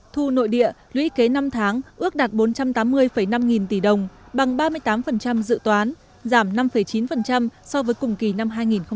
thu nội địa lũy kế năm tháng ước đạt bốn trăm tám mươi năm nghìn tỷ đồng bằng ba mươi tám dự toán giảm năm chín so với cùng kỳ năm hai nghìn một mươi tám